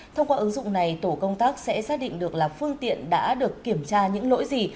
thông qua ứng dụng này tổ công tác sẽ xác định được là phương tiện đã được kiểm tra những lỗi gì